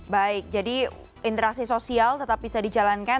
baik jadi interaksi sosial tetap bisa dijalankan